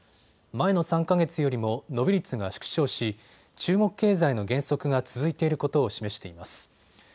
前の３か月よりも伸び率が縮小し中国経済の減速が続いていることを示しています。